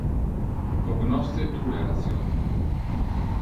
Cognosce tu le ration?